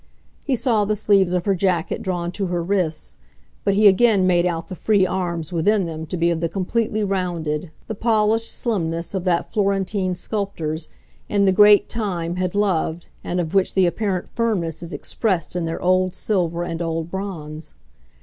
He saw the sleeves of her jacket drawn to her wrists, but he again made out the free arms within them to be of the completely rounded, the polished slimness that Florentine sculptors, in the great time, had loved, and of which the apparent firmness is expressed in their old silver and old bronze.